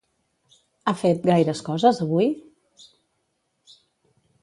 Ha fet gaires coses avui?